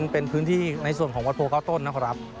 เป็นพื้นที่ในส่วนของวัดโพ๙ต้นนะครับ